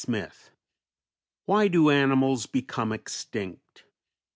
] XII WHY DO ANIMALS BECOME EXTINCT?